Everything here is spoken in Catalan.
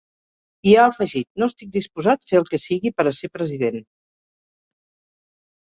I ha afegit: No estic disposat fer el que sigui per a ser president.